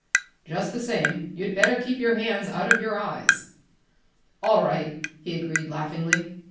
"Just the same, you'd better keep your hands out of your eyes!" "All right," he agreed laughingly.